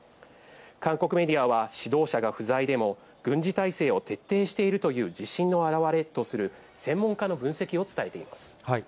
韓国メディアは、指導者が不在でも、軍事態勢を徹底しているという自信の表れとする専門家の分析を伝えています。